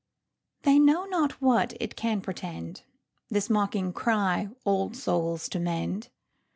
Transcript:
They know not what it can portend, This mocking cry, "Old souls to mend!"